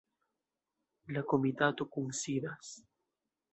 La komitato kunsidas.